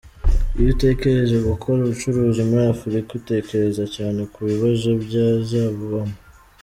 Iyo utekereje gukora ubucuruzi muri Afurika, utekereza cyane ku bibazo byazabubamo.